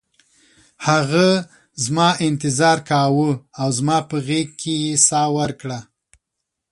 هغه زما انتظار کاوه او زما په غیږ کې یې ساه ورکړه